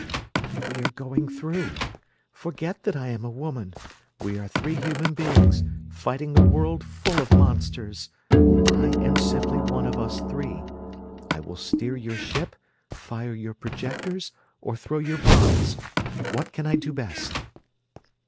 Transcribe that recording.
"We are going through. Forget that I am a woman. We are three human beings, fighting a world full of monsters. I am simply one of us three. I will steer your ship, fire your projectors, or throw your bombs. What can I do best?"